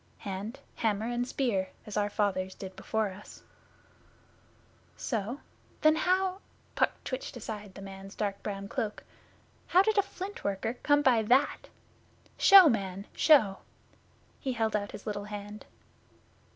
'Hand, hammer, and spear, as our fathers did before us.' 'So? Then how' Puck twitched aside the man's dark brown cloak 'how did a Flint worker come by that? Show, man, show!' He held out his little hand.